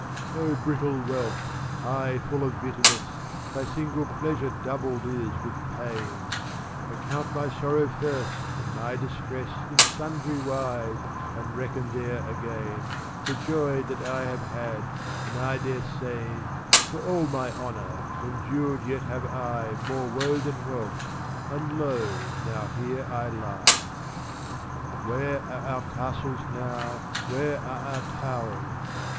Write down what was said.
O brittle wealth, aye full of bitterness, Thy single pleasure doubled is with pain; Account my sorrow first and my distress In sundrywise, and reckon thereagain The joy that I have had, and I dare sayne,7 For all my honour, endured yet have I More woe than wealth, and lo now here I lie. Where are our castles now, where are our towers?